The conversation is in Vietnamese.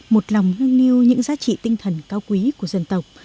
một lòng nâng niu những giá trị tinh thần cao quý của dân tộc